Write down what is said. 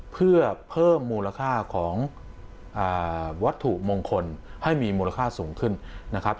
เพื่อเพิ่มมูลค่าของวัตถุมงคลให้มีมูลค่าสูงขึ้นนะครับ